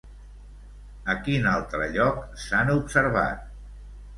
A quin altre lloc s'han observat?